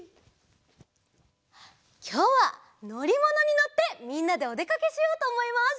きょうはのりものにのってみんなでおでかけしようとおもいます。